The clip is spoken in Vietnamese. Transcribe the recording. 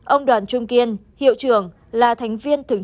ông đoàn trung kiên hiệu trưởng hội đồng trường đại học luật hà nội